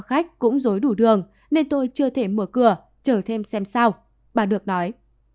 khách cũng dối đủ đường nên tôi chưa thể mở cửa trở thêm xem sao bà được nói